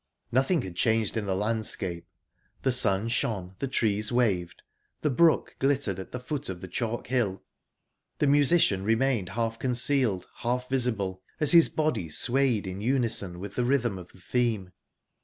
Nothing had changed in the landscape. The sun shone, the trees waved, the brook glittered at the foot of the chalk hill, the musician remained half concealed, half visible, as his body swayed in unison with the rhythm of the theme.